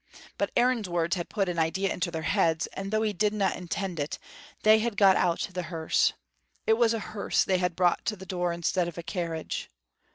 But Aaron's words had put an idea into their heads, though he didna intend it, and they had got out the hearse. It was the hearse they had brought to the door instead of a carriage.